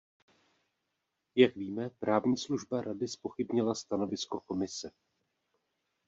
Jak víme, právní služba Rady zpochybnila stanovisko Komise.